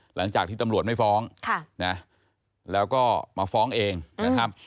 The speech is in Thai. หลังจากที่ตำรวจไม่ฟ้องแล้วก็มาฟ้องเองนะครับ